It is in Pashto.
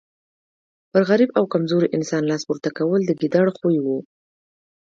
پر غریب او کمزوري انسان لاس پورته کول د ګیدړ خوی وو.